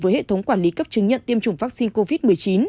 với hệ thống quản lý cấp chứng nhận tiêm chủng vaccine covid một mươi chín